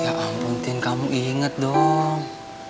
ya ampun tin kamu inget dong